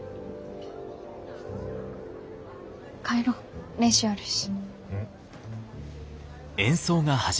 帰ろ練習あるし。